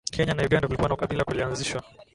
kenya na uganda kulikuwa na ukabila kulianzishwa